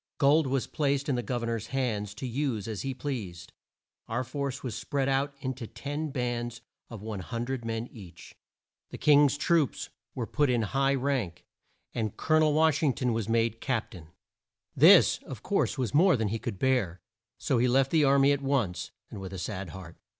Gold was placed in the Gov er nor's hands to use as he pleased. Our force was spread out in to ten bands, of 100 men each. The King's troops were put in high rank, and Col o nel Wash ing ton was made Cap tain. This, of course, was more than he could bear, so he left the ar my at once, and with a sad heart.